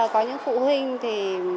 có những phụ huynh thì